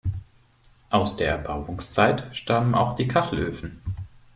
Aus der Erbauungszeit stammen auch die Kachelöfen.